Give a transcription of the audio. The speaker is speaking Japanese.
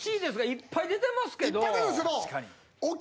いっぱい出てるんすけど。